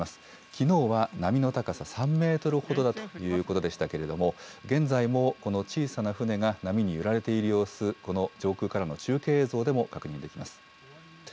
きのうは波の高さ３メートルほどだということでしたけれども、現在もこの小さな船が波に揺られている様子、この上空からの中継映像でも確認できます。